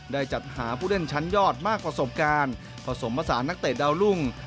จัดหาผู้เล่นชั้นยอดมากประสบการณ์ผสมผสานนักเตะดาวรุ่ง